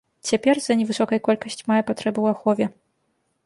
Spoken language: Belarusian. Цяпер з-за невысокай колькасць мае патрэбу ў ахове.